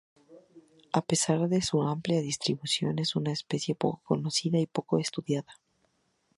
A pesar de su amplia distribución es una especie poco conocida y poco estudiada.